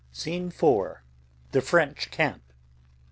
Scene IV. The French camp.